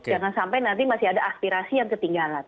jangan sampai nanti masih ada aspirasi yang ketinggalan